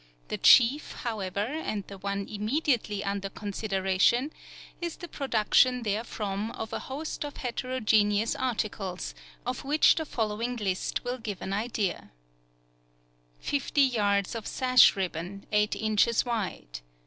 The chief, however, and the one immediately under consideration, is the production therefrom of a host of heterogeneous articles, of which the following list will give an idea: Fifty yards of sash ribbon, eight inches wide.